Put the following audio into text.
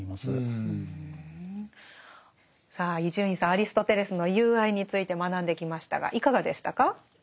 アリストテレスの「友愛」について学んできましたがいかがでしたか？